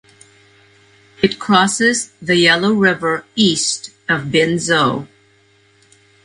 It crosses the Yellow River east of Binzhou.